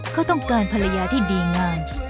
เขาต้องการภรรยาที่ดีงาม